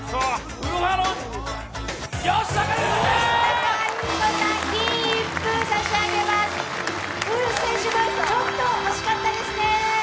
ウルフ選手もちょっと惜しかったですね。